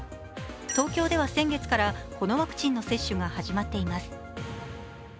東京では先月から、このワクチンの接種が始まっています。